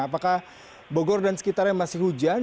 apakah bogor dan sekitarnya masih hujan